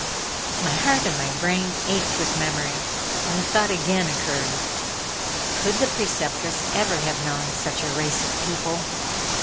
My heart and my brain ached with memory, and the thought again occurred: "Could the Preceptress ever have known such a race of people?"